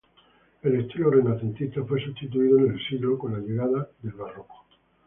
El estilo renacentista fue sustituido en el siglo con la llegada del barroco.